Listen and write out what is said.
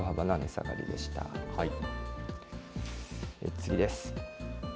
次です。